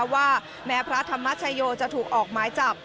ว่าแม้พระธรรมชโยจะถูกออกหมายจับ